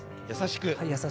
優しく。